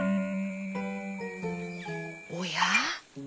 おや？